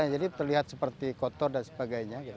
jadi terlihat seperti kotor dan sebagainya